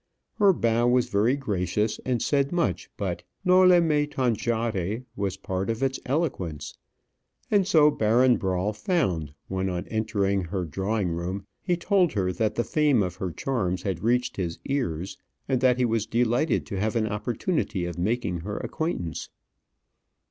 Her bow was very gracious, and said much; but "noli me tangere" was part of its eloquence. And so Baron Brawl found, when on entering her drawing room he told her that the fame of her charms had reached his ears, and that he was delighted to have an opportunity of making her acquaintance.